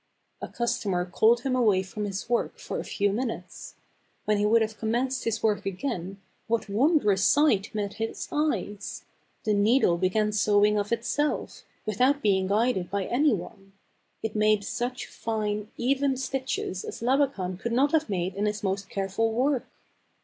A customer called him away from his work for a few minutes. When he would have com menced his work again what wondrous sight met his eyes ! The needle began sewing of itself, without being guided by any one. It made such fine, even stitches as Labakan could not have made in his most careful work.